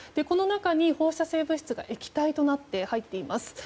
この中に放射性物質が液体となって入っています。